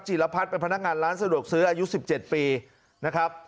รพัฒน์เป็นพนักงานร้านสะดวกซื้ออายุ๑๗ปีนะครับ